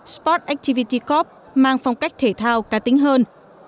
sport activity corp mang phong cách thể thao ca tính hơn